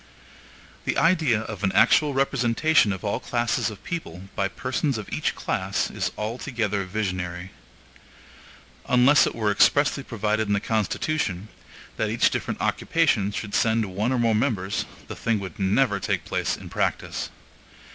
The idea of an actual representation of all classes of the people, by persons of each class, is altogether visionary. Unless it were expressly provided in the Constitution, that each different occupation should send one or more members, the thing would never take place in practice.